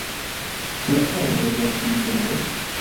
Ĉu la caro ne loĝas en Kremlo?